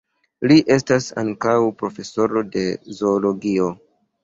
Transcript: Li estas ankaŭ profesoro de zoologio.